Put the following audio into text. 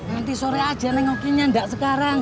nanti sore aja nengokinnya enggak sekarang